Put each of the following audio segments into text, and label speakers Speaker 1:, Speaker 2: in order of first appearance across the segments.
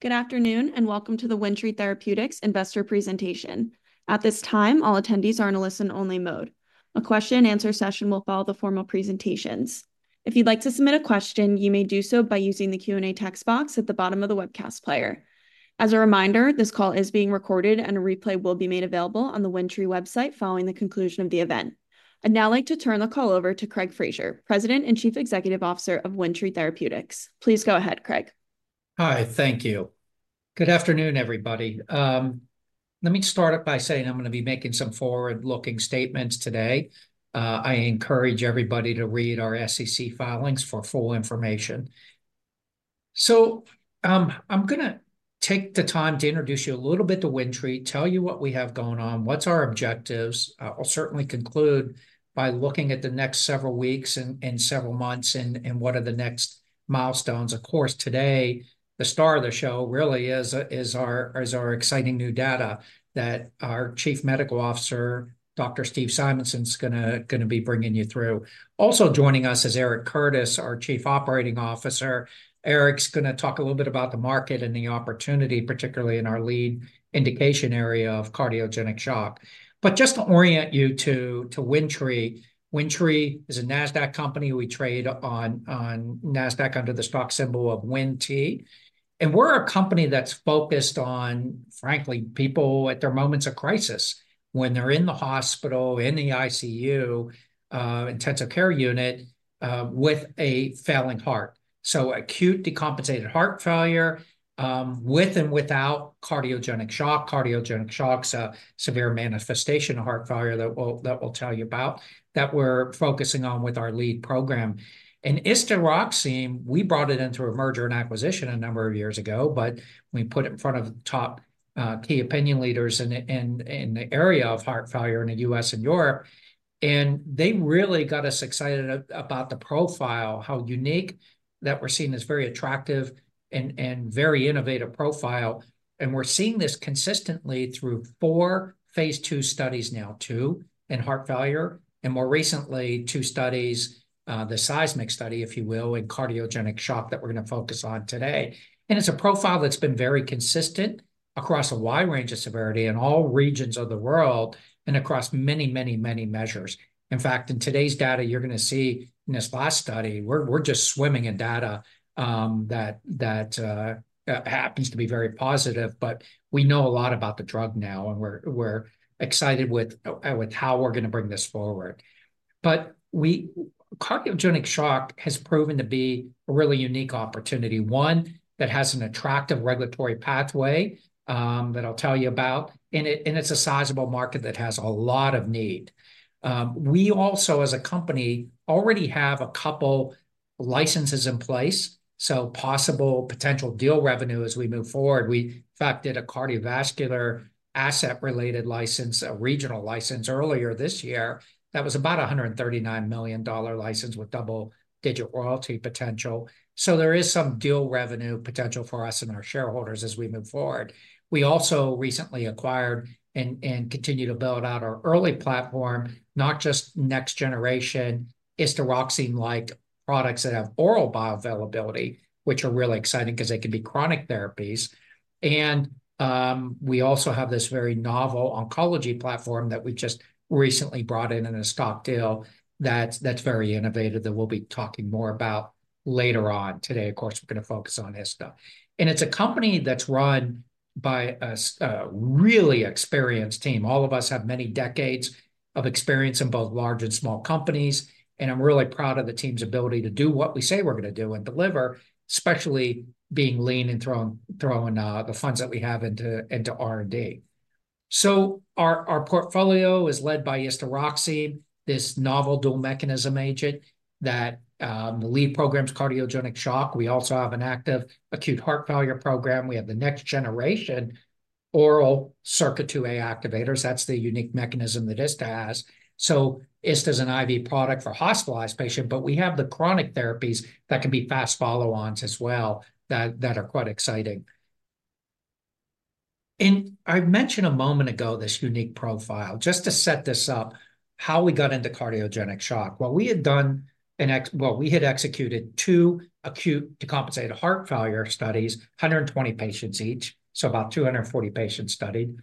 Speaker 1: Good afternoon, and welcome to the WindTree Therapeutics Investor Presentation. At this time, all attendees are in a listen-only mode. A question and answer session will follow the formal presentations. If you'd like to submit a question, you may do so by using the Q&A text box at the bottom of the webcast player. As a reminder, this call is being recorded, and a replay will be made available on the WindTree website following the conclusion of the event. I'd now like to turn the call over to Craig Fraser, President and Chief Executive Officer of WindTree Therapeutics. Please go ahead, Craig.
Speaker 2: Hi, thank you. Good afternoon, everybody. Let me start up by saying I'm gonna be making some forward-looking statements today. I encourage everybody to read our SEC filings for full information. So, I'm gonna take the time to introduce you a little bit to WindTree, tell you what we have going on, what's our objectives. I'll certainly conclude by looking at the next several weeks and several months, and what are the next milestones. Of course, today, the star of the show really is our exciting new data that our Chief Medical Officer, Dr. Steve Simonson, is gonna be bringing you through. Also joining us is Eric Curtis, our Chief Operating Officer. Eric's gonna talk a little bit about the market and the opportunity, particularly in our lead indication area of cardiogenic shock. But just to orient you to WindTree, WindTree is a Nasdaq company. We trade on Nasdaq under the stock symbol of WINT. And we're a company that's focused on, frankly, people at their moments of crisis, when they're in the hospital, in the ICU, intensive care unit, with a failing heart. So acute decompensated heart failure, with and without cardiogenic shock. Cardiogenic shock's a severe manifestation of heart failure that we'll tell you about, that we're focusing on with our lead program. Istaroxime, we brought it in through a merger and acquisition a number of years ago, but we put it in front of top key opinion leaders in the area of heart failure in the U.S. and Europe, and they really got us excited about the profile, how unique that we're seeing as very attractive and very innovative profile. We're seeing this consistently through four phase II studies now, two in heart failure, and more recently, two studies, the SEISMIC study, if you will, in cardiogenic shock that we're gonna focus on today. It's a profile that's been very consistent across a wide range of severity in all regions of the world, and across many, many, many measures. In fact, in today's data, you're gonna see, in this last study, we're just swimming in data that happens to be very positive. But we know a lot about the drug now, and we're excited with how we're gonna bring this forward. Cardiogenic shock has proven to be a really unique opportunity, one that has an attractive regulatory pathway that I'll tell you about, and it's a sizable market that has a lot of need. We also, as a company, already have a couple licenses in place, so possible potential deal revenue as we move forward. We, in fact, did a cardiovascular asset-related license, a regional license, earlier this year. That was about a $139 million license with double-digit royalty potential. There is some deal revenue potential for us and our shareholders as we move forward. We also recently acquired and continue to build out our oral platform, not just next-generation istaroxime-like products that have oral bioavailability, which are really exciting because they can be chronic therapies. We also have this very novel oncology platform that we just recently brought in, in a stock deal, that's very innovative, that we'll be talking more about later on today. Of course, we're gonna focus on istaroxime. It's a company that's run by a really experienced team. All of us have many decades of experience in both large and small companies, and I'm really proud of the team's ability to do what we say we're gonna do and deliver, especially being lean and throwing the funds that we have into R&D. So our portfolio is led by istaroxime, this novel dual mechanism agent that the lead program is cardiogenic shock. We also have an active acute heart failure program. We have the next-generation oral SERCA2a activators. That's the unique mechanism that istaroxime has. So istaroxime's an IV product for hospitalized patient, but we have the chronic therapies that can be fast follow-ons as well, that are quite exciting. And I mentioned a moment ago this unique profile. Just to set this up, how we got into cardiogenic shock. What we had done. Well, we had executed two acute decompensated heart failure studies, 120 patients each, so about 240 patients studied,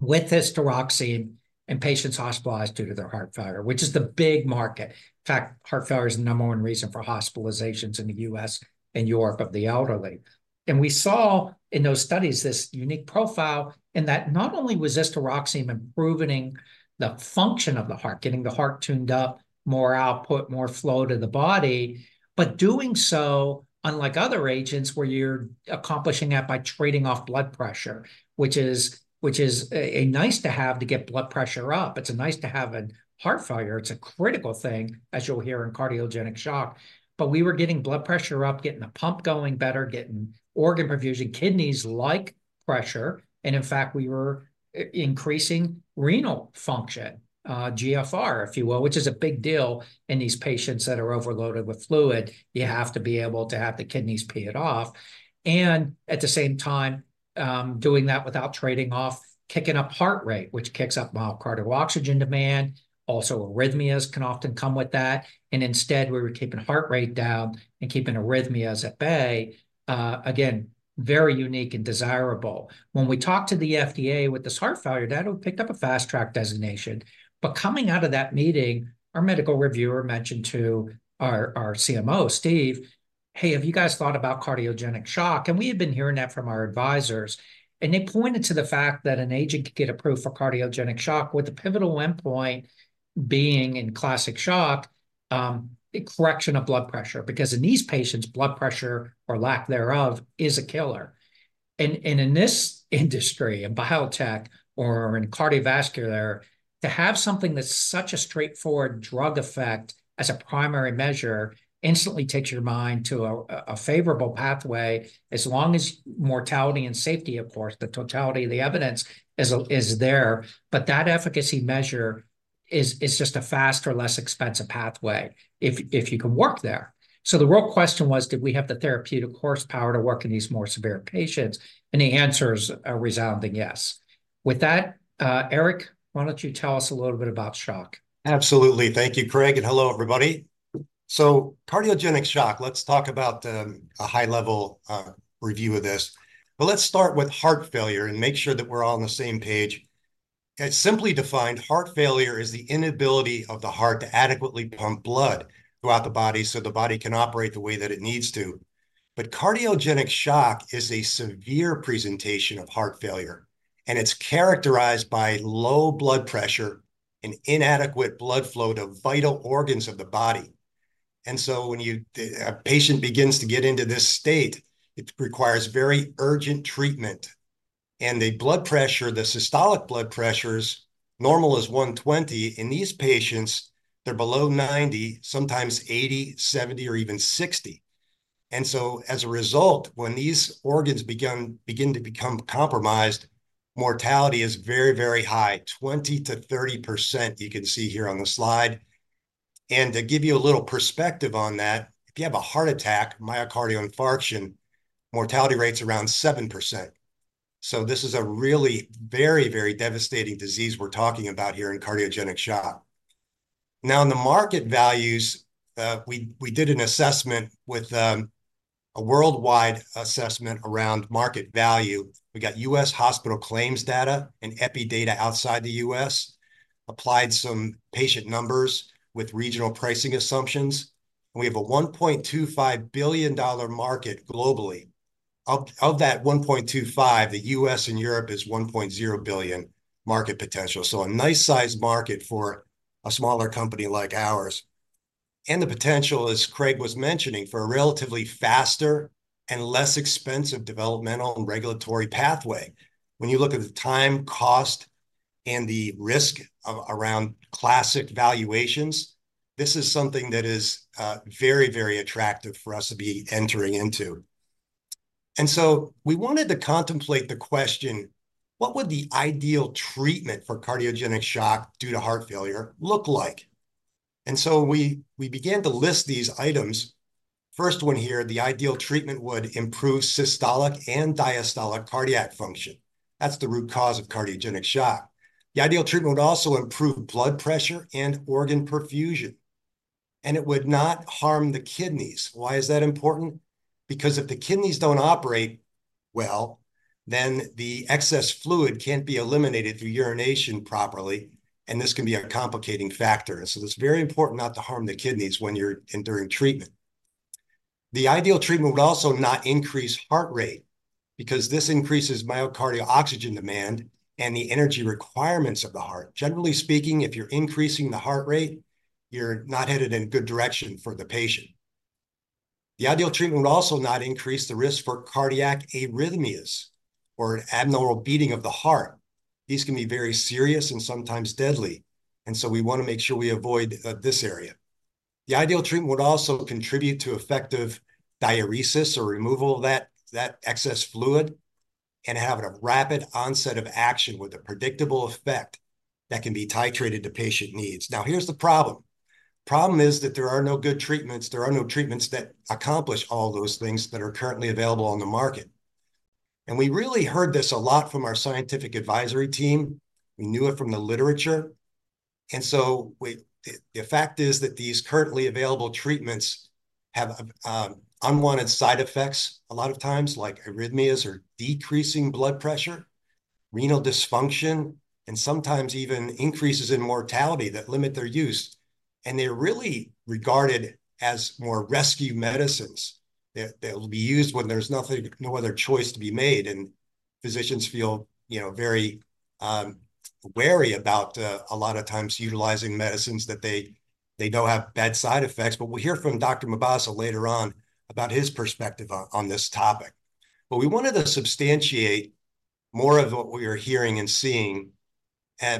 Speaker 2: with istaroxime in patients hospitalized due to their heart failure, which is the big market. In fact, heart failure is the number one reason for hospitalizations in the U.S. and Europe of the elderly, and we saw in those studies this unique profile, in that not only was istaroxime improving the function of the heart, getting the heart tuned up, more output, more flow to the body, but doing so, unlike other agents, where you're accomplishing that by trading off blood pressure, which is a nice-to-have to get blood pressure up. It's a nice-to-have in heart failure. It's a critical thing, as you'll hear, in cardiogenic shock. But we were getting blood pressure up, getting the pump going better, getting organ perfusion. Kidneys like pressure, and in fact, we were increasing renal function, GFR, if you will, which is a big deal in these patients that are overloaded with fluid. You have to be able to have the kidneys pee it off. And at the same time, doing that without trading off, kicking up heart rate, which kicks up myocardial oxygen demand. Also, arrhythmias can often come with that, and instead, we were keeping heart rate down and keeping arrhythmias at bay. Again, very unique and desirable. When we talked to the FDA with this heart failure, that picked up a fast track designation. But coming out of that meeting, our medical reviewer mentioned to our CMO, Steve, "Hey, have you guys thought about cardiogenic shock?" And we had been hearing that from our advisors, and they pointed to the fact that an agent could get approved for cardiogenic shock, with the pivotal endpoint being in classic shock, a correction of blood pressure, because in these patients, blood pressure, or lack thereof, is a killer. In this industry, in biotech or in cardiovascular, to have something that's such a straightforward drug effect as a primary measure instantly takes your mind to a favorable pathway, as long as mortality and safety, of course, the totality of the evidence is there. But that efficacy measure is just a faster, less expensive pathway if you can work there. So the real question was, do we have the therapeutic horsepower to work in these more severe patients? And the answer is a resounding yes. With that, Eric, why don't you tell us a little bit about shock?
Speaker 3: Absolutely. Thank you, Craig, and hello, everybody. So cardiogenic shock, let's talk about a high-level review of this. But let's start with heart failure and make sure that we're all on the same page. As simply defined, heart failure is the inability of the heart to adequately pump blood throughout the body so the body can operate the way that it needs to. But cardiogenic shock is a severe presentation of heart failure, and it's characterized by low blood pressure and inadequate blood flow to vital organs of the body. And so when a patient begins to get into this state, it requires very urgent treatment. And the blood pressure, the systolic blood pressure's normal is 120. In these patients, they're below 90, sometimes 80, 70, or even 60. As a result, when these organs begin to become compromised, mortality is very, very high, 20%-30%, you can see here on the slide. To give you a little perspective on that, if you have a heart attack, myocardial infarction, mortality rate's around 7%. This is a really very, very devastating disease we're talking about here in cardiogenic shock. Now, in the market values, we did an assessment with a worldwide assessment around market value. We got US hospital claims data and epi data outside the US, applied some patient numbers with regional pricing assumptions, and we have a $1.25 billion market globally. Of that $1.25, the US and Europe is $1.0 billion market potential. So a nice-sized market for a smaller company like ours. And the potential, as Craig was mentioning, for a relatively faster and less expensive developmental and regulatory pathway. When you look at the time, cost, and the risk of around classic valuations, this is something that is, very, very attractive for us to be entering into. We wanted to contemplate the question, what would the ideal treatment for cardiogenic shock due to heart failure look like? We began to list these items. First one here, the ideal treatment would improve systolic and diastolic cardiac function. That's the root cause of cardiogenic shock. The ideal treatment would also improve blood pressure and organ perfusion, and it would not harm the kidneys. Why is that important? Because if the kidneys don't operate well, then the excess fluid can't be eliminated through urination properly, and this can be a complicating factor. It's very important not to harm the kidneys when you're entering treatment. The ideal treatment would also not increase heart rate, because this increases myocardial oxygen demand and the energy requirements of the heart. Generally speaking, if you're increasing the heart rate, you're not headed in a good direction for the patient. The ideal treatment would also not increase the risk for cardiac arrhythmias or abnormal beating of the heart. These can be very serious and sometimes deadly, and so we wanna make sure we avoid this area. The ideal treatment would also contribute to effective diuresis or removal of that excess fluid, and have a rapid onset of action with a predictable effect that can be titrated to patient needs. Now, here's the problem. Problem is that there are no good treatments. There are no treatments that accomplish all those things that are currently available on the market. We really heard this a lot from our scientific advisory team. We knew it from the literature. So the fact is that these currently available treatments have unwanted side effects a lot of times, like arrhythmias or decreasing blood pressure, renal dysfunction, and sometimes even increases in mortality that limit their use. They're really regarded as more rescue medicines that will be used when there's nothing no other choice to be made, and physicians feel, you know, very wary about a lot of times utilizing medicines that they know have bad side effects. We'll hear from Dr. Mebazaa later on about his perspective on this topic. But we wanted to substantiate more of what we were hearing and seeing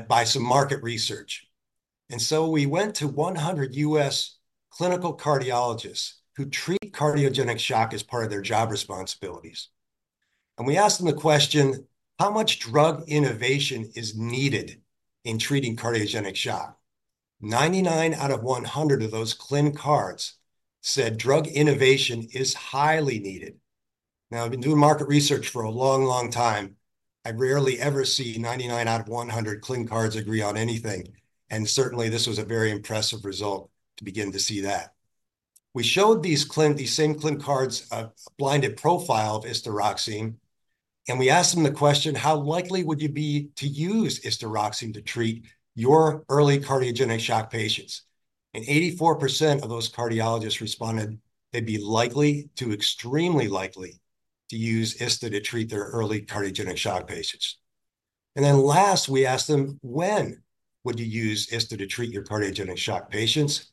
Speaker 3: by some market research. And so we went to 100 U.S. clinical cardiologists who treat cardiogenic shock as part of their job responsibilities, and we asked them the question: How much drug innovation is needed in treating cardiogenic shock? 99 out of 100 of those clinicians said, "Drug innovation is highly needed." Now, I've been doing market research for a long, long time. I rarely ever see 99 out of 100 clinicians agree on anything, and certainly, this was a very impressive result to begin to see that. We showed these same clinicians a blinded profile of istaroxime, and we asked them the question: How likely would you be to use istaroxime to treat your early cardiogenic shock patients? 84% of those cardiologists responded they'd be likely to extremely likely to use istaroxime to treat their early cardiogenic shock patients. Then last, we asked them, "When would you use istaroxime to treat your cardiogenic shock patients?"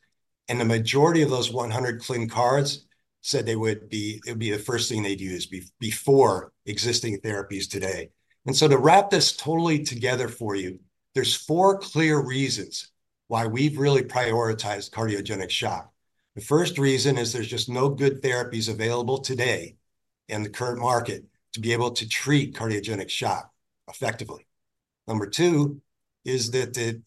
Speaker 3: The majority of those 100 clinicians said it would be the first thing they'd use before existing therapies today. So to wrap this totally together for you, there are four clear reasons why we've really prioritized cardiogenic shock. The first reason is there are just no good therapies available today in the current market to be able to treat cardiogenic shock effectively. Number two is that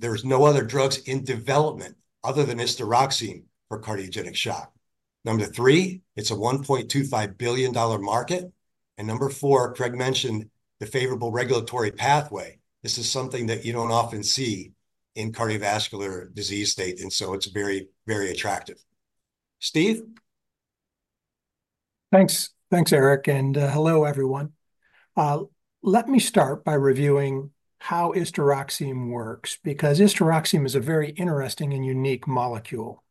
Speaker 3: there's no other drugs in development other than istaroxime for cardiogenic shock. Number three, it's a $1.25 billion market. Number four, Craig mentioned the favorable regulatory pathway. This is something that you don't often see in cardiovascular disease state, and so it's very, very attractive. Steve?
Speaker 4: Thanks. Thanks, Eric, and hello, everyone. Let me start by reviewing how istaroxime works, because istaroxime is a very interesting and unique molecule.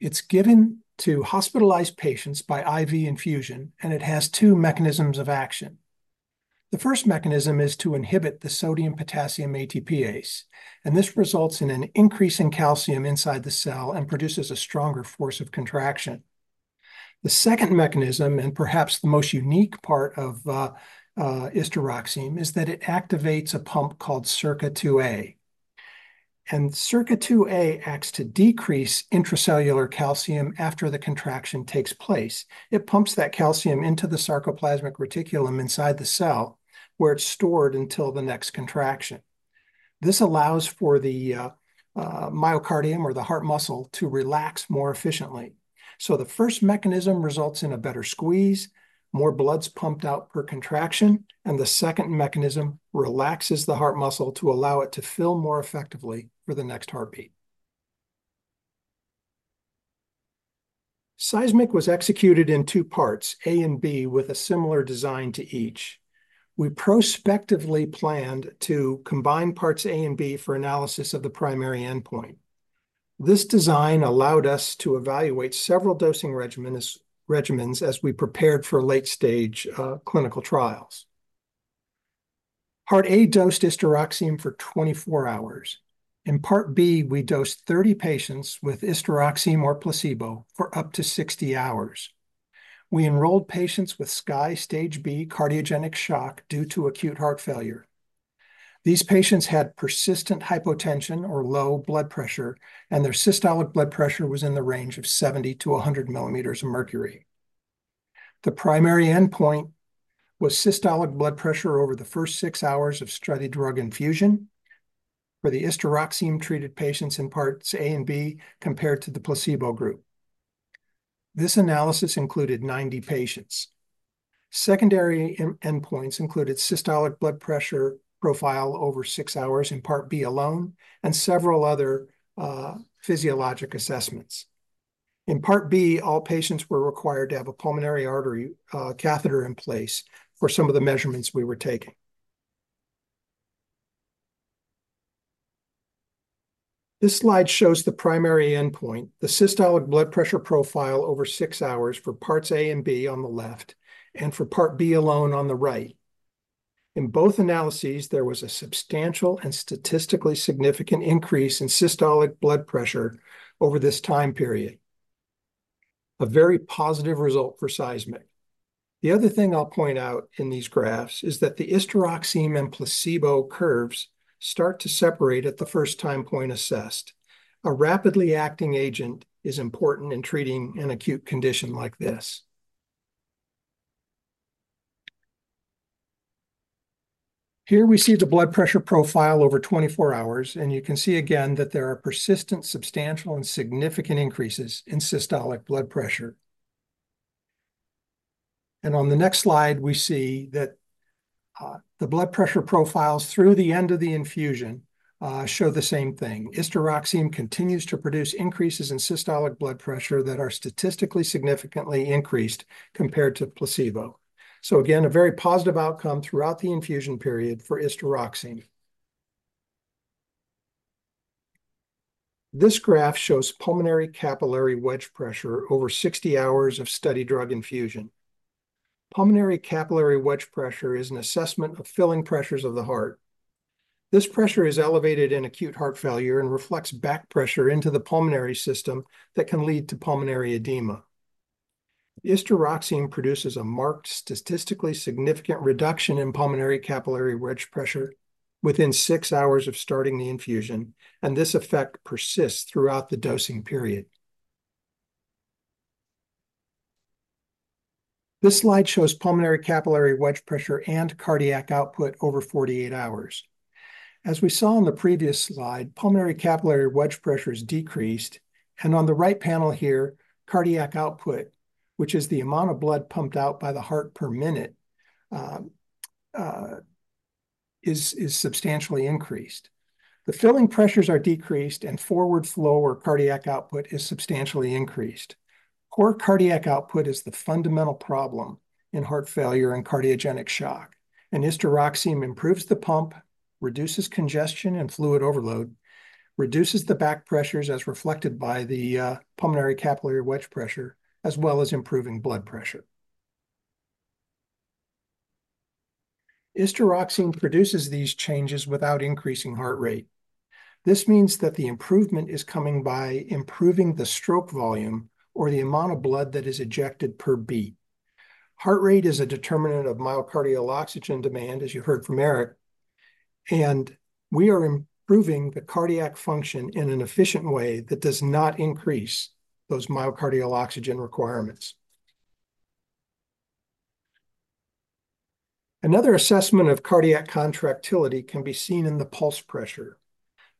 Speaker 4: It's given to hospitalized patients by IV infusion, and it has two mechanisms of action. The first mechanism is to inhibit the sodium-potassium ATPase, and this results in an increase in calcium inside the cell and produces a stronger force of contraction. The second mechanism, and perhaps the most unique part of istaroxime, is that it activates a pump called SERCA2a, and SERCA2a acts to decrease intracellular calcium after the contraction takes place. It pumps that calcium into the sarcoplasmic reticulum inside the cell, where it's stored until the next contraction. This allows for the myocardium or the heart muscle to relax more efficiently. The first mechanism results in a better squeeze, more blood's pumped out per contraction, and the second mechanism relaxes the heart muscle to allow it to fill more effectively for the next heartbeat. SEISMIC was executed in two parts, A and B, with a similar design to each. We prospectively planned to combine parts A and B for analysis of the primary endpoint. This design allowed us to evaluate several dosing regimens as we prepared for late-stage clinical trials. Part A dosed istaroxime for 24 hours. In Part B, we dosed 30 patients with istaroxime or placebo for up to 60 hours. We enrolled patients with SCAI Stage B cardiogenic shock due to acute heart failure. These patients had persistent hypotension or low blood pressure, and their systolic blood pressure was in the range of 70 to 100 millimeters of mercury. The primary endpoint was systolic blood pressure over the first six hours of study drug infusion for the istaroxime-treated patients in parts A and B, compared to the placebo group. This analysis included 90 patients. Secondary endpoints included systolic blood pressure profile over six hours in Part B alone and several other physiologic assessments. In Part B, all patients were required to have a pulmonary artery catheter in place for some of the measurements we were taking. This slide shows the primary endpoint, the systolic blood pressure profile over six hours for parts A and B on the left, and for Part B alone on the right. In both analyses, there was a substantial and statistically significant increase in systolic blood pressure over this time period, a very positive result for SEISMIC. The other thing I'll point out in these graphs is that the istaroxime and placebo curves start to separate at the first time point assessed. A rapidly acting agent is important in treating an acute condition like this. Here we see the blood pressure profile over twenty-four hours, and you can see again that there are persistent, substantial, and significant increases in systolic blood pressure. On the next slide, we see that the blood pressure profiles through the end of the infusion show the same thing. Istaroxime continues to produce increases in systolic blood pressure that are statistically significantly increased compared to placebo. Again, a very positive outcome throughout the infusion period for istaroxime. This graph shows pulmonary capillary wedge pressure over sixty hours of study drug infusion. Pulmonary capillary wedge pressure is an assessment of filling pressures of the heart. This pressure is elevated in acute heart failure and reflects back pressure into the pulmonary system that can lead to pulmonary edema. Istaroxime produces a marked statistically significant reduction in pulmonary capillary wedge pressure within six hours of starting the infusion, and this effect persists throughout the dosing period. This slide shows pulmonary capillary wedge pressure and cardiac output over 48 hours. As we saw in the previous slide, pulmonary capillary wedge pressure is decreased, and on the right panel here, cardiac output, which is the amount of blood pumped out by the heart per minute, is substantially increased. The filling pressures are decreased, and forward flow or cardiac output is substantially increased. Poor cardiac output is the fundamental problem in heart failure and cardiogenic shock, and istaroxime improves the pump, reduces congestion and fluid overload, reduces the back pressures as reflected by the pulmonary capillary wedge pressure, as well as improving blood pressure. Istaroxime produces these changes without increasing heart rate. This means that the improvement is coming by improving the stroke volume or the amount of blood that is ejected per beat. Heart rate is a determinant of myocardial oxygen demand, as you heard from Eric, and we are improving the cardiac function in an efficient way that does not increase those myocardial oxygen requirements. Another assessment of cardiac contractility can be seen in the pulse pressure.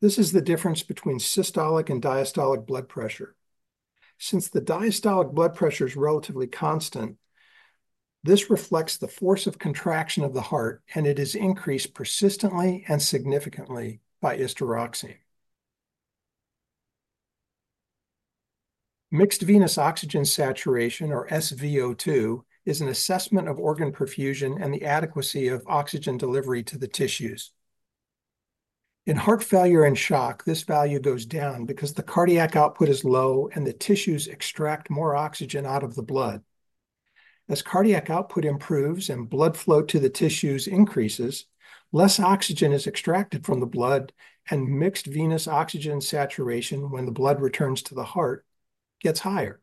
Speaker 4: This is the difference between systolic and diastolic blood pressure. Since the diastolic blood pressure is relatively constant, this reflects the force of contraction of the heart, and it is increased persistently and significantly by istaroxime. Mixed venous oxygen saturation, or SvO2, is an assessment of organ perfusion and the adequacy of oxygen delivery to the tissues. In heart failure and shock, this value goes down because the cardiac output is low and the tissues extract more oxygen out of the blood. As cardiac output improves and blood flow to the tissues increases, less oxygen is extracted from the blood, and mixed venous oxygen saturation, when the blood returns to the heart, gets higher.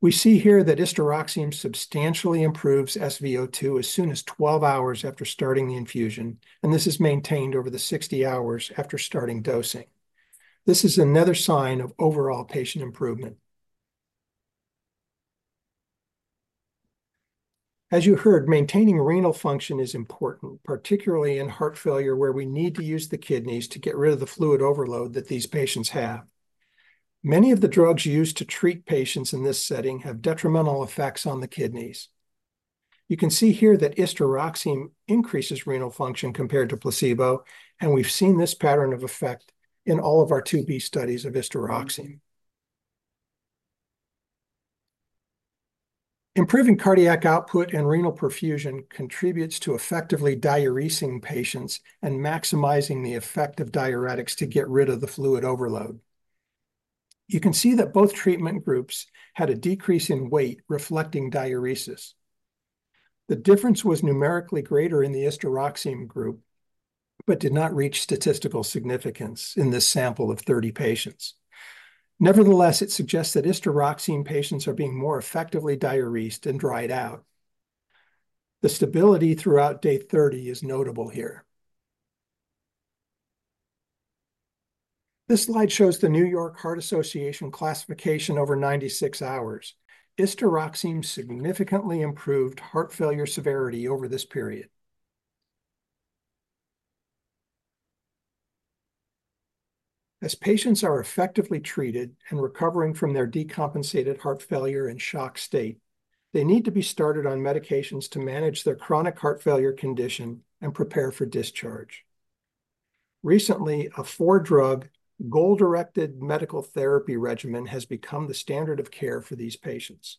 Speaker 4: We see here that istaroxime substantially improves SvO2 as soon as 12 hours after starting the infusion, and this is maintained over the 60 hours after starting dosing. This is another sign of overall patient improvement. As you heard, maintaining renal function is important, particularly in heart failure, where we need to use the kidneys to get rid of the fluid overload that these patients have. Many of the drugs used to treat patients in this setting have detrimental effects on the kidneys. You can see here that istaroxime increases renal function compared to placebo, and we've seen this pattern of effect in all of our two B studies of istaroxime. Improving cardiac output and renal perfusion contributes to effectively diuresing patients and maximizing the effect of diuretics to get rid of the fluid overload. You can see that both treatment groups had a decrease in weight, reflecting diuresis. The difference was numerically greater in the istaroxime group, but did not reach statistical significance in this sample of 30 patients. Nevertheless, it suggests that istaroxime patients are being more effectively diuresed and dried out. The stability throughout day thirty is notable here. This slide shows the New York Heart Association classification over ninety-six hours. Istaroxime significantly improved heart failure severity over this period. As patients are effectively treated and recovering from their decompensated heart failure and shock state, they need to be started on medications to manage their chronic heart failure condition and prepare for discharge. Recently, a four-drug goal-directed medical therapy regimen has become the standard of care for these patients.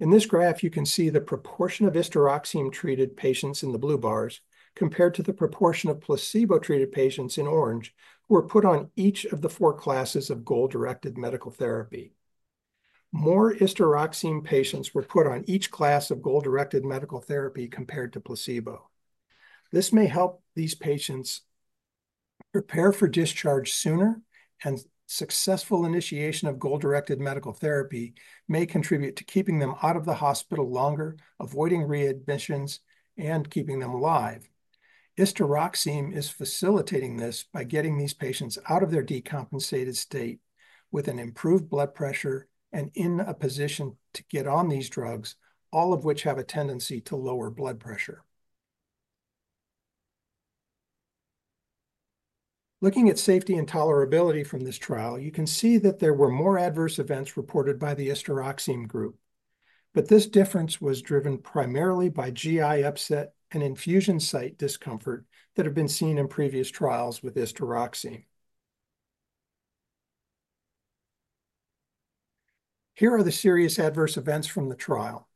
Speaker 4: In this graph, you can see the proportion of istaroxime-treated patients in the blue bars, compared to the proportion of placebo-treated patients in orange, who were put on each of the four classes of goal-directed medical therapy. More istaroxime patients were put on each class of goal-directed medical therapy compared to placebo. This may help these patients prepare for discharge sooner, and successful initiation of goal-directed medical therapy may contribute to keeping them out of the hospital longer, avoiding readmissions, and keeping them alive. Istaroxime is facilitating this by getting these patients out of their decompensated state with an improved blood pressure and in a position to get on these drugs, all of which have a tendency to lower blood pressure. Looking at safety and tolerability from this trial, you can see that there were more adverse events reported by the istaroxime group, but this difference was driven primarily by GI upset and infusion site discomfort that have been seen in previous trials with istaroxime. Here are the serious adverse events from the trial.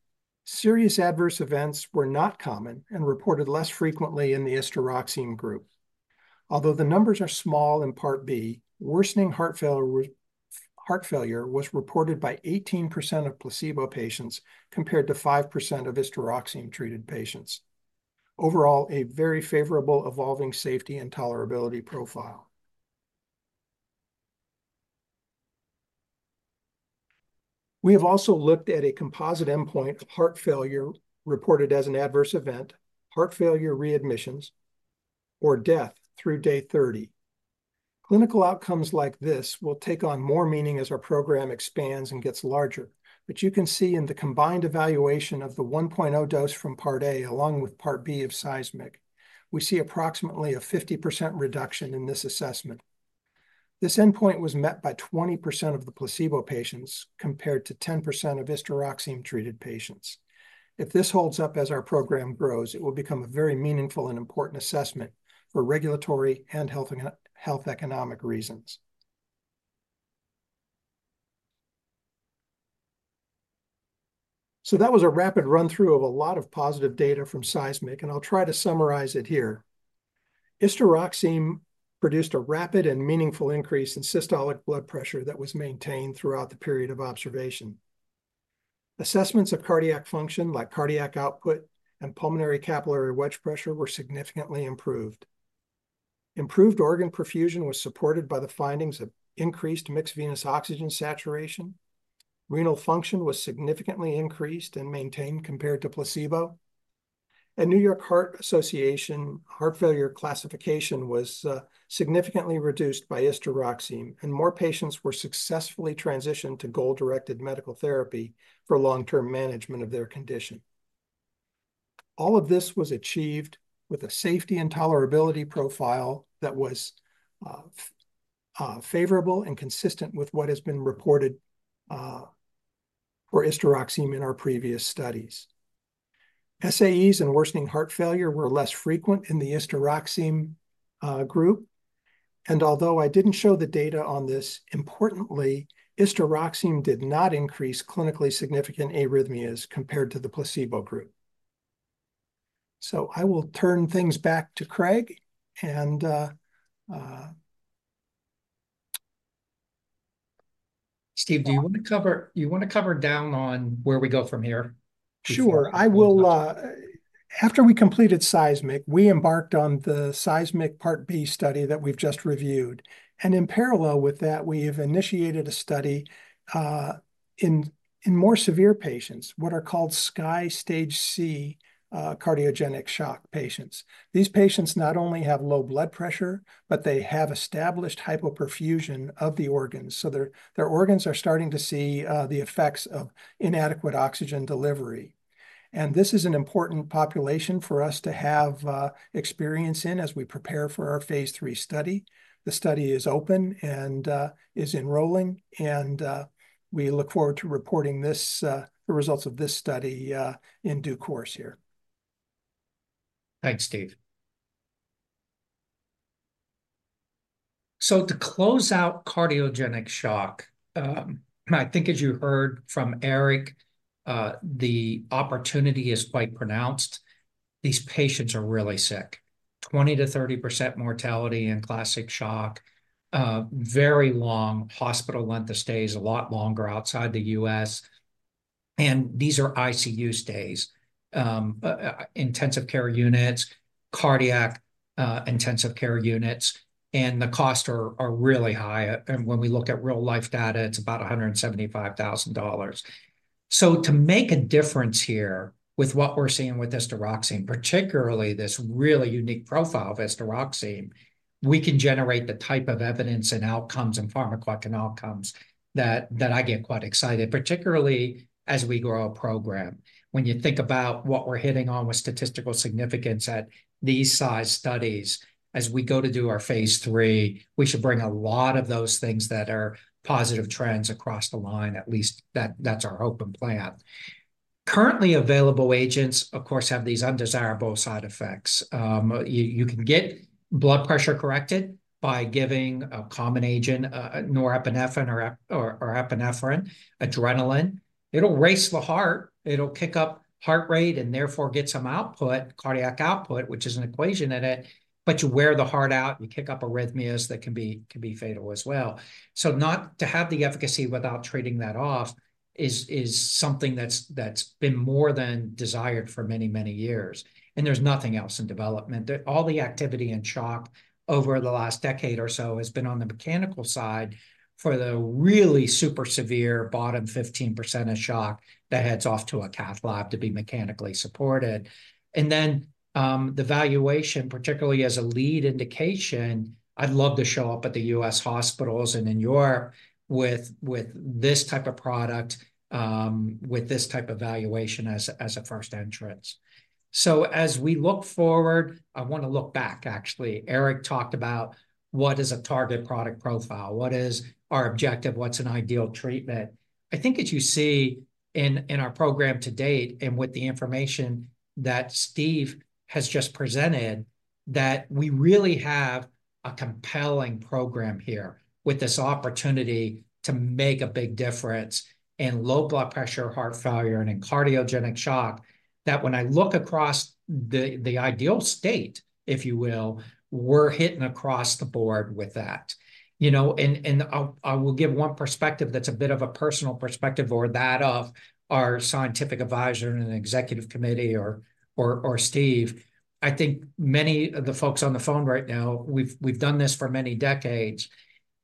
Speaker 4: Serious adverse events were not common and reported less frequently in the istaroxime group. Although the numbers are small in part B, worsening heart failure was reported by 18% of placebo patients, compared to 5% of istaroxime-treated patients. Overall, a very favorable evolving safety and tolerability profile. We have also looked at a composite endpoint of heart failure reported as an adverse event, heart failure readmissions, or death through day 30. Clinical outcomes like this will take on more meaning as our program expands and gets larger. But you can see in the combined evaluation of the 1.0 dose from part A, along with part B of SEISMIC, we see approximately a 50% reduction in this assessment. This endpoint was met by 20% of the placebo patients, compared to 10% of istaroxime-treated patients. If this holds up as our program grows, it will become a very meaningful and important assessment for regulatory and health economic reasons. So that was a rapid run-through of a lot of positive data from SEISMIC, and I'll try to summarize it here. Istaroxime produced a rapid and meaningful increase in systolic blood pressure that was maintained throughout the period of observation. Assessments of cardiac function, like cardiac output and pulmonary capillary wedge pressure, were significantly improved. Improved organ perfusion was supported by the findings of increased mixed venous oxygen saturation. Renal function was significantly increased and maintained compared to placebo. And New York Heart Association heart failure classification was significantly reduced by istaroxime, and more patients were successfully transitioned to goal-directed medical therapy for long-term management of their condition. All of this was achieved with a safety and tolerability profile that was favorable and consistent with what has been reported for istaroxime in our previous studies. SAEs and worsening heart failure were less frequent in the istaroxime group, and although I didn't show the data on this, importantly, istaroxime did not increase clinically significant arrhythmias compared to the placebo group. So I will turn things back to Craig, and…
Speaker 2: Steve, do you want to cover down on where we go from here?
Speaker 4: Sure. I will. After we completed SEISMIC, we embarked on the SEISMIC part B study that we've just reviewed, and in parallel with that, we have initiated a study in more severe patients, what are called SCAI Stage C cardiogenic shock patients. These patients not only have low blood pressure, but they have established hypoperfusion of the organs, so their organs are starting to see the effects of inadequate oxygen delivery, and this is an important population for us to have experience in as we prepare for our phase 3 study. The study is open and is enrolling, and we look forward to reporting the results of this study in due course here.
Speaker 2: Thanks, Steve, so to close out cardiogenic shock, I think as you heard from Eric, the opportunity is quite pronounced. These patients are really sick, 20%-30% mortality in classic shock, very long hospital length of stays, a lot longer outside the U.S., and these are ICU stays. Intensive care units, cardiac intensive care units, and the costs are really high, and when we look at real-life data, it's about $175,000. So to make a difference here with what we're seeing with istaroxime, particularly this really unique profile of istaroxime, we can generate the type of evidence and outcomes and pharmacologic outcomes that I get quite excited, particularly as we grow a program. When you think about what we're hitting on with statistical significance at these size studies, as we go to do our phase three, we should bring a lot of those things that are positive trends across the line, at least that's our hope and plan. Currently available agents, of course, have these undesirable side effects. You can get blood pressure corrected by giving a common agent, norepinephrine or epinephrine, adrenaline. It'll race the heart, it'll kick up heart rate, and therefore get some output, cardiac output, which is an equation in it, but you wear the heart out, you kick up arrhythmias that can be fatal as well. So not to have the efficacy without trading that off is something that's been more than desired for many, many years, and there's nothing else in development. All the activity in shock over the last decade or so has been on the mechanical side for the really super severe bottom 15% of shock that heads off to a cath lab to be mechanically supported. And then, the valuation, particularly as a lead indication, I'd love to show up at the U.S. hospitals and in Europe with, with this type of product, with this type of valuation as a, as a first entrance. So as we look forward, I wanna look back, actually. Eric talked about what is a target product profile, what is our objective, what's an ideal treatment? I think as you see in our program to date, and with the information that Steve has just presented, that we really have a compelling program here with this opportunity to make a big difference in low blood pressure, heart failure, and in cardiogenic shock, that when I look across the ideal state, if you will, we're hitting across the board with that. You know, and I'll give one perspective that's a bit of a personal perspective or that of our scientific advisor and executive committee or Steve. I think many of the folks on the phone right now, we've done this for many decades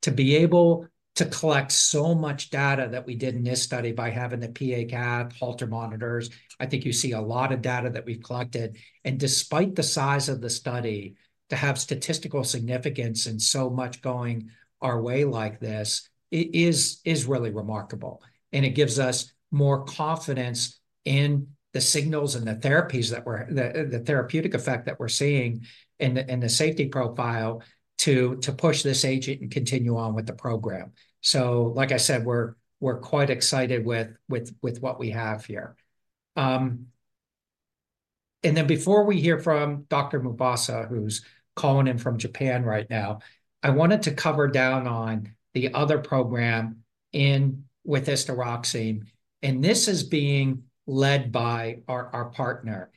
Speaker 2: to be able to collect so much data that we did in this study by having the PA cath, Holter monitors. I think you see a lot of data that we've collected. Despite the size of the study, to have statistical significance and so much going our way like this, it is really remarkable, and it gives us more confidence in the signals and the therapeutic effect that we're seeing and the safety profile to push this agent and continue on with the program. Like I said, we're quite excited with what we have here. Before we hear from Dr. Mebazaa, who's calling in from Japan right now, I wanted to cover down on the other program with istaroxime, and this is being led by our partner.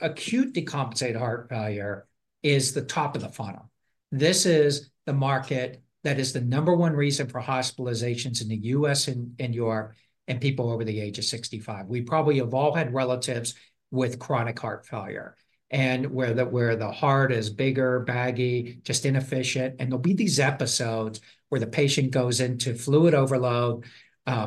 Speaker 2: Acute decompensated heart failure is the top of the funnel. This is the market that is the number one reason for hospitalizations in the U.S. and Europe, and people over the age of sixty-five. We probably have all had relatives with chronic heart failure, and where the heart is bigger, baggy, just inefficient. And there'll be these episodes where the patient goes into fluid overload,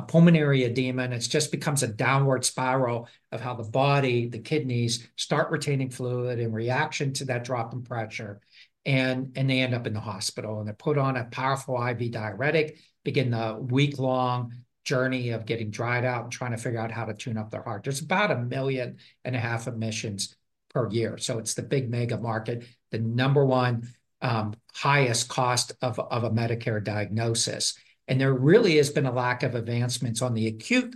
Speaker 2: pulmonary edema, and it just becomes a downward spiral of how the body, the kidneys, start retaining fluid in reaction to that drop in pressure. And they end up in the hospital, and they're put on a powerful IV diuretic, begin the week-long journey of getting dried out and trying to figure out how to tune up their heart. There's about 1.5 million admissions per year, so it's the big mega market, the number one highest cost of a Medicare diagnosis. And there really has been a lack of advancements on the acute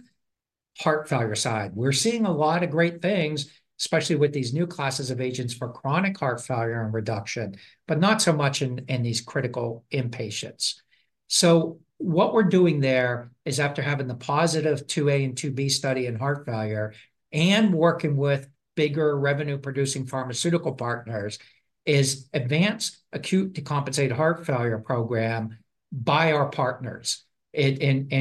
Speaker 2: heart failure side. We're seeing a lot of great things, especially with these new classes of agents for chronic heart failure and reduction, but not so much in these critical inpatients, so what we're doing there is, after having the positive 2A and 2B study in heart failure and working with bigger revenue-producing pharmaceutical partners, is advance acute decompensated heart failure program by our partners, and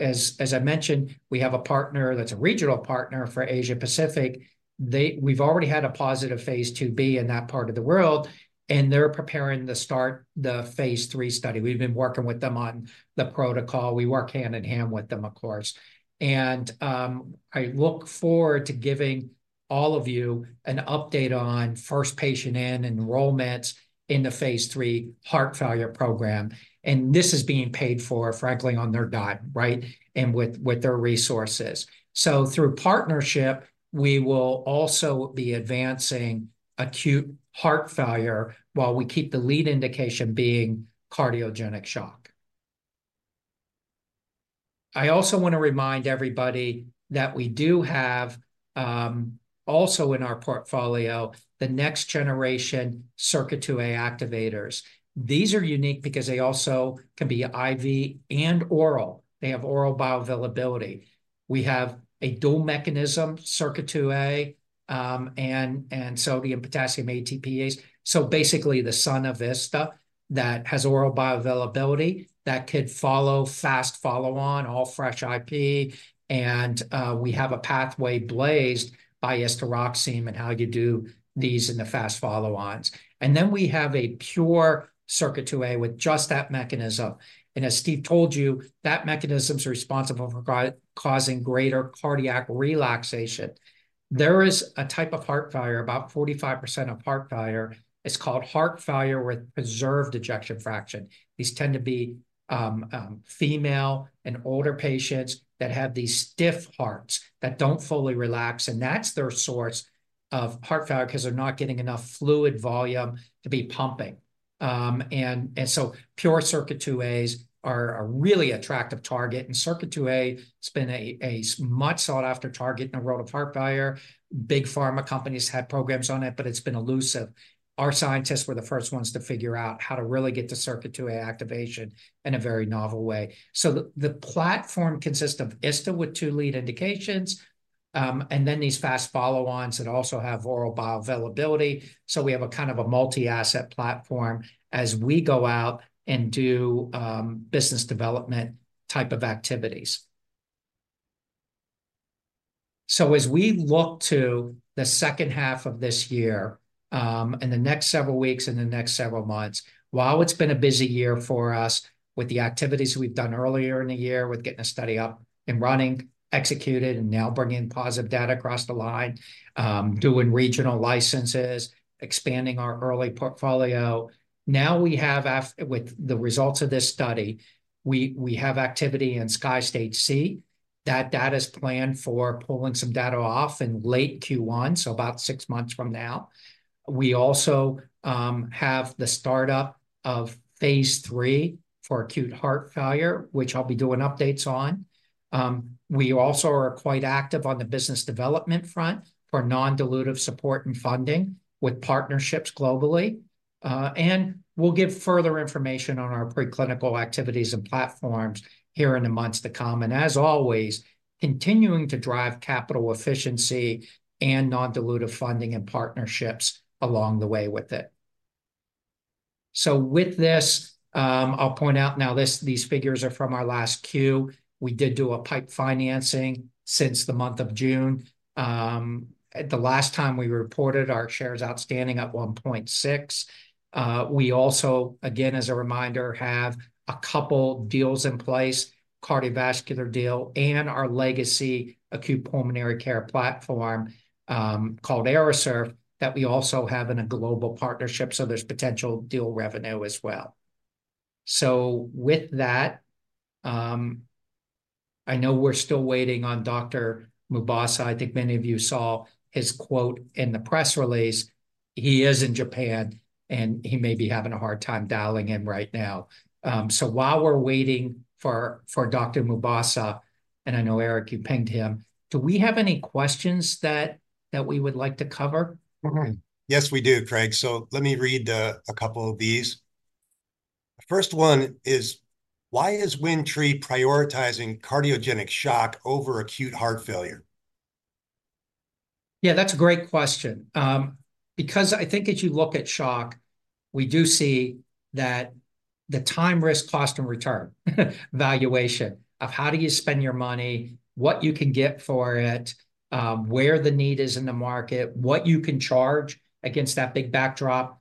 Speaker 2: as I mentioned, we have a partner that's a regional partner for Asia Pacific. We've already had a positive phase 2B in that part of the world, and they're preparing to start the phase 3 study. We've been working with them on the protocol. We work hand-in-hand with them, of course. I look forward to giving all of you an update on first patient and enrollments in the phase 3 heart failure program, and this is being paid for, frankly, on their dime, right, and with their resources. Through partnership, we will also be advancing acute heart failure while we keep the lead indication being cardiogenic shock. I also want to remind everybody that we do have also in our portfolio, the next-generation SERCA2a activators. These are unique because they also can be IV and oral. They have oral bioavailability. We have a dual mechanism, SERCA2a, and sodium-potassium ATPase. So basically, the son of istaroxime that has oral bioavailability that could follow, fast follow-on, all fresh IP, and we have a pathway blazed by istaroxime and how you do these in the fast follow-ons. Then we have a pure SERCA2a with just that mechanism. As Steve told you, that mechanism's responsible for causing greater cardiac relaxation. There is a type of heart failure, about 45% of heart failure. It's called heart failure with preserved ejection fraction. These tend to be female and older patients that have these stiff hearts that don't fully relax, and that's their source of heart failure, because they're not getting enough fluid volume to be pumping. And so pure SERCA2as are a really attractive target, and SERCA2a has been a much sought-after target in the world of heart failure. Big pharma companies had programs on it, but it's been elusive. Our scientists were the first ones to figure out how to really get to SERCA2a activation in a very novel way. So the platform consists of istaroxime with two lead indications, and then these fast follow-ons that also have oral bioavailability. So we have a kind of a multi-asset platform as we go out and do business development type of activities. So as we look to the second half of this year, in the next several weeks and the next several months, while it's been a busy year for us with the activities we've done earlier in the year, with getting a study up and running, executed, and now bringing positive data across the line, doing regional licenses, expanding our early portfolio. Now with the results of this study, we have activity in SCAI Stage C. That data is planned for pulling some data off in late Q1, so about six months from now. We also have the start-up of phase 3 for acute heart failure, which I'll be doing updates on. We also are quite active on the business development front for non-dilutive support and funding with partnerships globally, and we'll give further information on our preclinical activities and platforms here in the months to come, and as always, continuing to drive capital efficiency and non-dilutive funding and partnerships along the way with it, so with this, I'll point out now, these figures are from our last Q. We did do a PIPE financing since the month of June. At the last time we reported, our shares outstanding up one point six. We also, again, as a reminder, have a couple deals in place, cardiovascular deal, and our legacy acute pulmonary care platform, called Aerosurf, that we also have in a global partnership, so there's potential deal revenue as well. So with that, I know we're still waiting on Dr. Mebazaa. I think many of you saw his quote in the press release. He is in Japan, and he may be having a hard time dialing in right now. So while we're waiting for Dr. Mebazaa, and I know, Eric, you pinged him, do we have any questions that we would like to cover?
Speaker 3: Yes, we do, Craig. So let me read a couple of these. First one is: Why is WindTree prioritizing cardiogenic shock over acute heart failure?
Speaker 2: Yeah, that's a great question. Because I think as you look at shock, we do see that the time, risk, cost, and return valuation of how do you spend your money, what you can get for it, where the need is in the market, what you can charge against that big backdrop,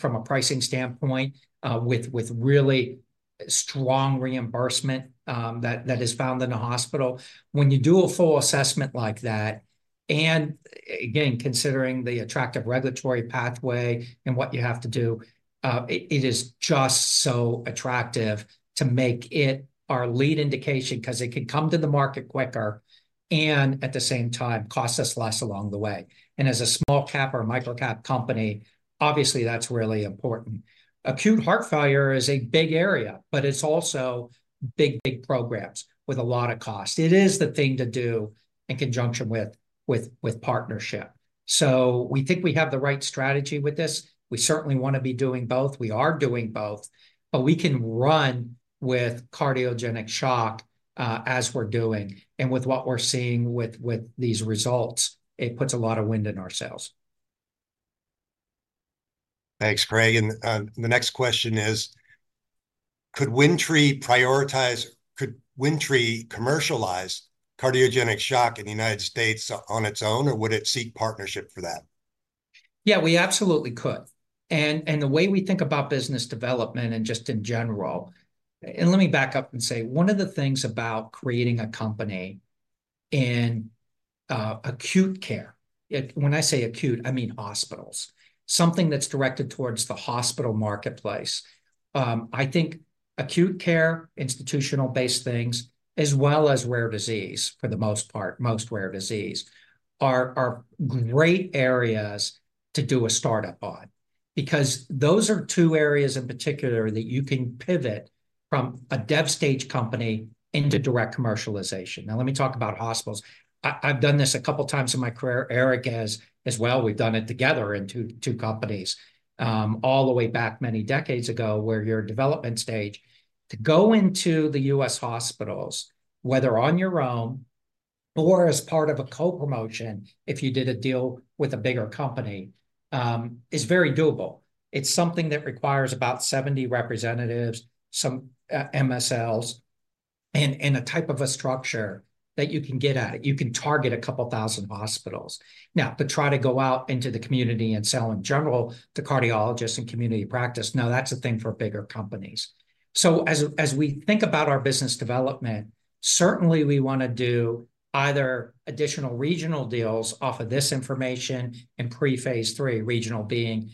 Speaker 2: from a pricing standpoint, with really strong reimbursement, that is found in a hospital. When you do a full assessment like that, and again, considering the attractive regulatory pathway and what you have to do, it is just so attractive to make it our lead indication, 'cause it could come to the market quicker and, at the same time, cost us less along the way, and as a small-cap or a micro-cap company, obviously, that's really important. Acute heart failure is a big area, but it's also big, big programs with a lot of cost. It is the thing to do in conjunction with partnership. So we think we have the right strategy with this. We certainly want to be doing both. We are doing both, but we can run with cardiogenic shock as we're doing. And with what we're seeing with these results, it puts a lot of wind in our sails.
Speaker 3: Thanks, Craig. And, the next question is: Could WindTree commercialize cardiogenic shock in the United States on its own, or would it seek partnership for that?
Speaker 2: Yeah, we absolutely could, and the way we think about business development and just in general, and let me back up and say, one of the things about creating a company in acute care, when I say acute, I mean hospitals, something that's directed towards the hospital marketplace. I think acute care, institutional-based things, as well as rare disease, for the most part, most rare disease, are great areas to do a start-up on. Because those are two areas in particular that you can pivot from a dev stage company into direct commercialization. Now, let me talk about hospitals. I've done this a couple times in my career, Eric as well. We've done it together in two companies, all the way back many decades ago, where you're development stage. To go into the US hospitals, whether on your own or as part of a co-promotion, if you did a deal with a bigger company, is very doable. It's something that requires about seventy representatives, some MSLs, and a type of a structure that you can get at it. You can target a couple thousand hospitals. Now, to try to go out into the community and sell in general to cardiologists in community practice, no, that's a thing for bigger companies. So as we think about our business development, certainly we want to do either additional regional deals off of this information in pre-phase III, regional being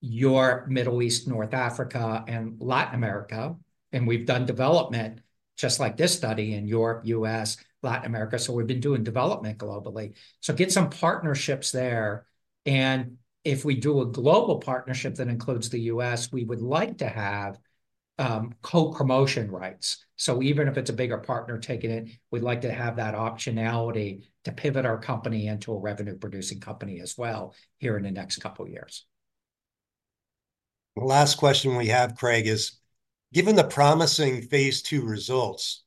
Speaker 2: Europe, Middle East, North Africa, and Latin America, and we've done development just like this study in Europe, US, Latin America, so we've been doing development globally. Get some partnerships there, and if we do a global partnership that includes the U.S., we would like to have co-promotion rights. Even if it's a bigger partner taking it, we'd like to have that optionality to pivot our company into a revenue-producing company as well here in the next couple years.
Speaker 3: The last question we have, Craig, is: Given the promising phase II results,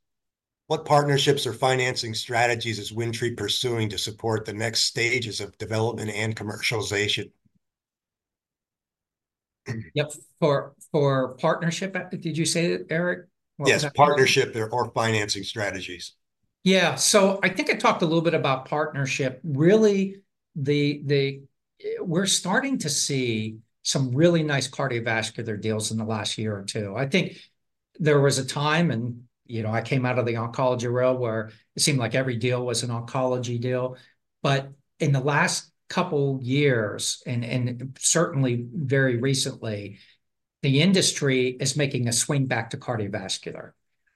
Speaker 3: what partnerships or financing strategies is WindTree pursuing to support the next stages of development and commercialization?
Speaker 2: Yep. For partnership, did you say, Eric?
Speaker 3: Yes, partnership or financing strategies.
Speaker 2: Yeah. So I think I talked a little bit about partnership. Really, we're starting to see some really nice cardiovascular deals in the last year or two. I think there was a time, and, you know, I came out of the oncology world, where it seemed like every deal was an oncology deal. But in the last couple years, and certainly very recently, the industry is making a swing back to cardiovascular.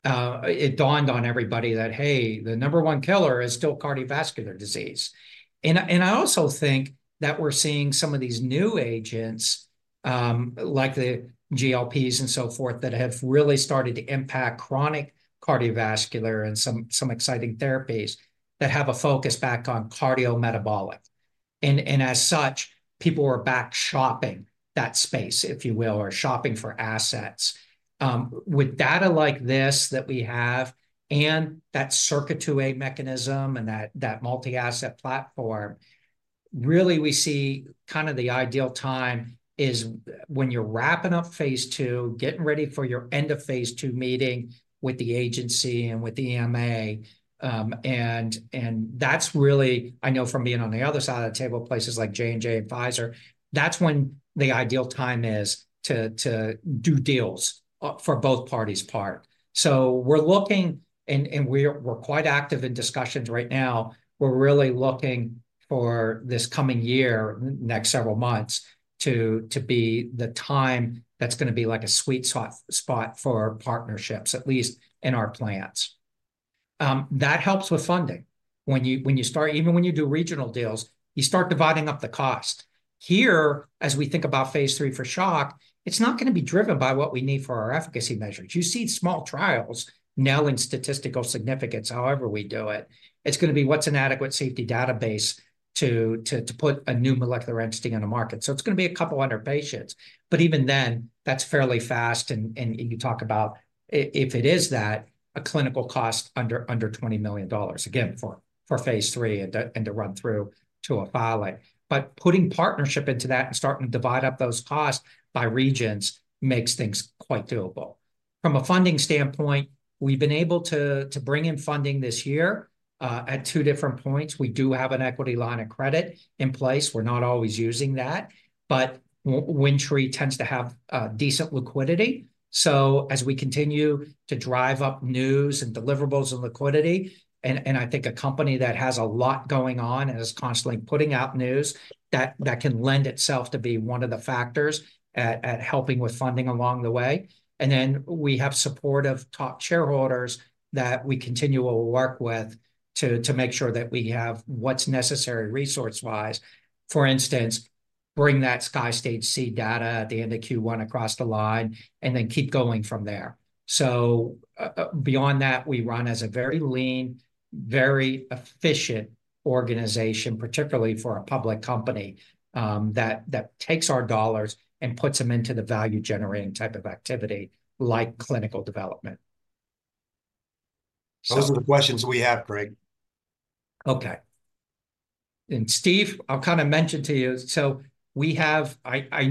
Speaker 2: It dawned on everybody that, hey, the number one killer is still cardiovascular disease. And I also think that we're seeing some of these new agents, like the GLPs and so forth, that have really started to impact chronic cardiovascular, and some exciting therapies that have a focus back on cardiometabolic. And as such, people are back shopping that space, if you will, or shopping for assets. With data like this that we have, and that SERCA2a mechanism, and that multi-asset platform, really, we see kind of the ideal time is when you're wrapping up phase 2, getting ready for your end-of-phase 2 meeting with the agency and with the EMA. And that's really I know from being on the other side of the table, places like J&J and Pfizer, that's when the ideal time is to do deals for both parties' part. So we're looking, and we're quite active in discussions right now. We're really looking for this coming year, next several months, to be the time that's gonna be like a sweet spot for partnerships, at least in our plans. That helps with funding. When you start even when you do regional deals, you start dividing up the cost. Here, as we think about phase three for shock, it's not gonna be driven by what we need for our efficacy measures. You see small trials now in statistical significance, however we do it. It's gonna be, what's an adequate safety database to put a new molecular entity on the market? So it's gonna be a couple hundred patients, but even then, that's fairly fast, and you talk about if it is that, a clinical cost under $20 million, again, for phase three and to run through to a filing. But putting partnership into that and starting to divide up those costs by regions makes things quite doable. From a funding standpoint, we've been able to bring in funding this year, at two different points. We do have an equity line of credit in place. We're not always using that, but WindTree tends to have decent liquidity. So as we continue to drive up news and deliverables and liquidity, and I think a company that has a lot going on and is constantly putting out news, that can lend itself to be one of the factors at helping with funding along the way. And then, we have supportive top shareholders that we continually work with to make sure that we have what's necessary resource-wise. For instance, bring that SCAI Stage C data at the end of Q1 across the line, and then keep going from there. So, beyond that, we run as a very lean, very efficient organization, particularly for a public company, that takes our dollars and puts them into the value-generating type of activity, like clinical development. So-
Speaker 3: Those are the questions we have, Craig.
Speaker 2: Okay. And Steve, I'll kind of mention to you. I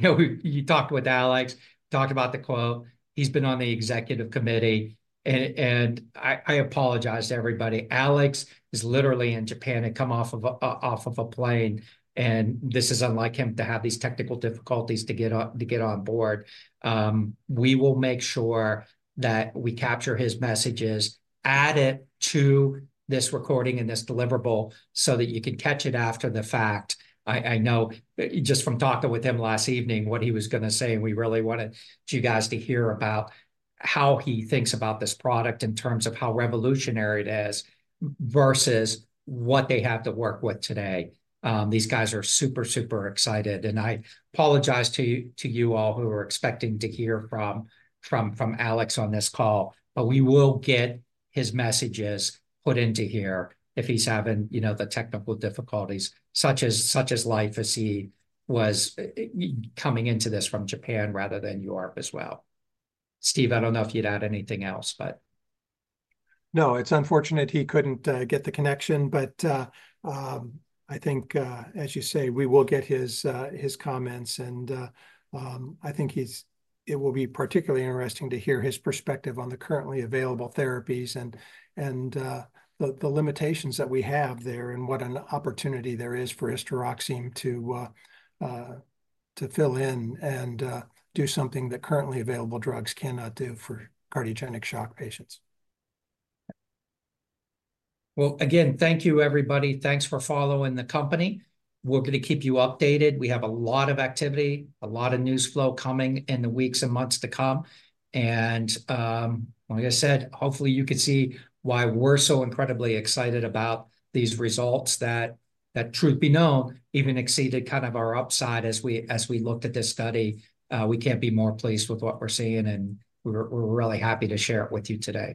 Speaker 2: know you talked with Alex, talked about the quote. He's been on the executive committee, and I apologize to everybody. Alex is literally in Japan and come off of a plane, and this is unlike him to have these technical difficulties to get on board. We will make sure that we capture his messages, add it to this recording and this deliverable, so that you can catch it after the fact. I know just from talking with him last evening, what he was gonna say, and we really wanted you guys to hear about how he thinks about this product in terms of how revolutionary it is, versus what they have to work with today. These guys are super, super excited, and I apologize to you all who were expecting to hear from Alex on this call. But we will get his messages put into here if he's having, you know, the technical difficulties, such is life as he was coming into this from Japan rather than Europe as well. Steve, I don't know if you'd add anything else, but...
Speaker 4: No, it's unfortunate he couldn't get the connection, but, I think, as you say, we will get his comments, and, I think it will be particularly interesting to hear his perspective on the currently available therapies, and, the limitations that we have there, and what an opportunity there is for istaroxime to fill in and do something that currently available drugs cannot do for cardiogenic shock patients.
Speaker 2: Again, thank you, everybody. Thanks for following the company. We're gonna keep you updated. We have a lot of activity, a lot of news flow coming in the weeks and months to come, and like I said, hopefully, you can see why we're so incredibly excited about these results that truth be known, even exceeded kind of our upside as we looked at this study. We can't be more pleased with what we're seeing, and we're really happy to share it with you today.